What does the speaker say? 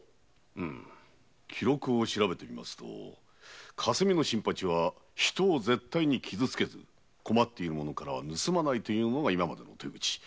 記録を調べましたところ霞の新八は絶対に人を傷つけず困っている者からは盗まぬというのが今までの手口。